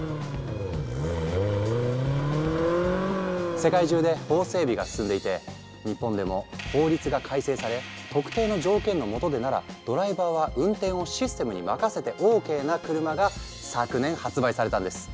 世界中で法整備が進んでいて日本でも法律が改正され特定の条件のもとでならドライバーは運転をシステムに任せてＯＫな車が昨年発売されたんです。